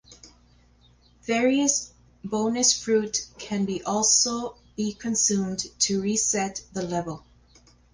Various bonus fruit can be also be consumed to reset the level.